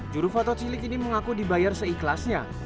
juru foto cilik ini mengaku dibayar seikhlasnya